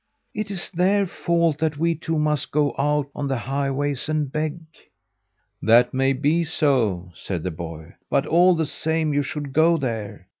It is their fault that we two must go out on the highways and beg." "That may be so," said the boy, "but all the same you should go there.